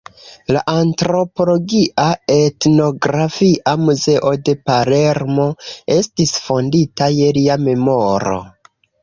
La Antropologia Etnografia Muzeo de Palermo estis fondita je lia memoro.